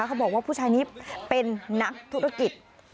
เขาบอกว่าผู้ชายนี้เป็นนักธุรกิจ